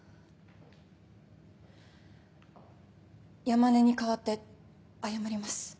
山根に代わって謝ります。